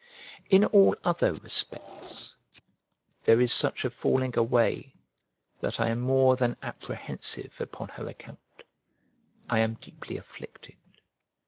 In all other respects there is such a falling away that I am more than apprehensive upon her account; I am deeply afflicted.